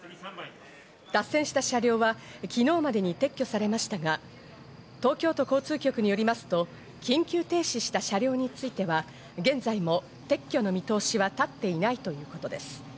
脱線した車両は昨日までに撤去されましたが、東京都交通局によりますと、緊急停止した車両については現在も撤去の見通しは立っていないということです。